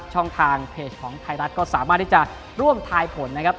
ช่องทางเพจของไทยรัฐก็สามารถที่จะร่วมทายผลนะครับ